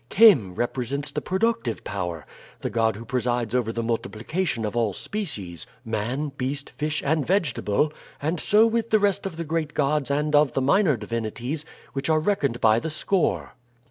Khem represents the productive power the god who presides over the multiplication of all species: man, beast, fish, and vegetable and so with the rest of the great gods and of the minor divinities, which are reckoned by the score.